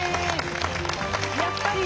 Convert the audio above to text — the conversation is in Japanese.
やっぱり！